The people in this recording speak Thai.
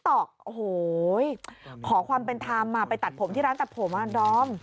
ตอกโอ้โหขอความเป็นธรรมไปตัดผมที่ร้านตัดผมอ่ะดอม